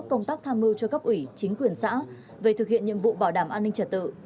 công tác tham mưu cho cấp ủy chính quyền xã về thực hiện nhiệm vụ bảo đảm an ninh trật tự